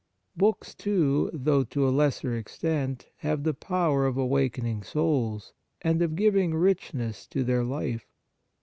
Books, too, though to a lesser extent, have the power of awakening souls, and of giving richness to their life.